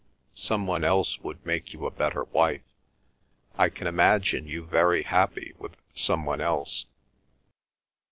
Some one else would make you a better wife. I can imagine you very happy with some one else."